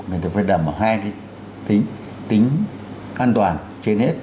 người ta phải đẩm vào hai cái tính an toàn trên hết